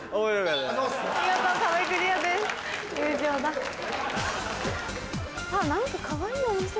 あっ何かかわいいお店！